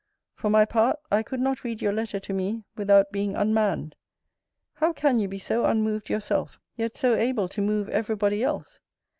For my part, I could not read your letter to me, without being unmanned. How can you be so unmoved yourself, yet so able to move every body else?